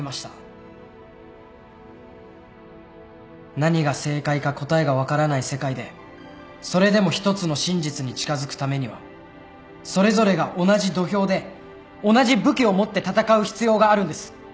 何が正解か答えが分からない世界でそれでも一つの真実に近づくためにはそれぞれが同じ土俵で同じ武器を持って戦う必要があるんです。